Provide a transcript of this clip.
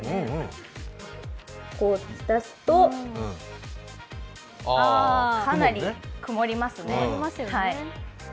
こう浸すとかなり曇りますね。